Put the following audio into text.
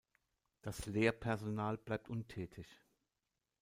Das Lehrpersonal bleibt untätig.